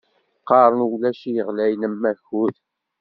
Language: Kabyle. Qqaren ulac i yeɣlayen m wakud.